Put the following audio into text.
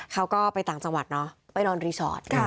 เขาก็ไปต่างจังหวัดเนาะไปนอนรีสอร์ท